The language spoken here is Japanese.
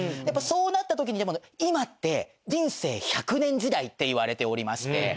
やっぱそうなった時にでも今って人生１００年時代っていわれておりまして。